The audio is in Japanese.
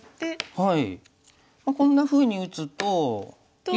はい。